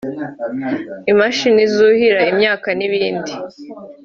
imashini zuhira imyaka n’ibindi